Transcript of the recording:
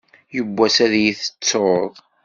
Yiwwass ad yi-tettuḍ.